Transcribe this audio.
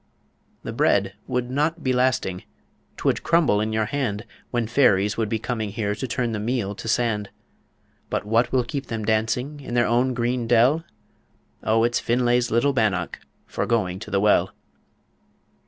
The bread would not be lasting, 'Twould crumble in your hand; When fairies would be coming here To turn the meal to sand But what will keep them dancing In their own green dell? O it's Finlay's little bannock For going to the well.